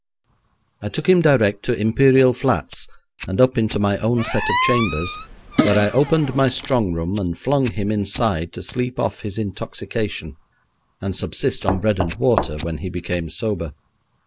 I took him direct to Imperial Flats, and up into my own set of chambers, where I opened my strong room, and flung him inside to sleep off his intoxication, and subsist on bread and water when he became sober.